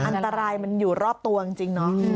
อันตรายมันอยู่รอบตัวจริงเนาะ